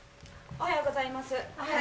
おはようございます。